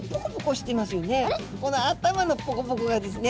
この頭のポコポコがですね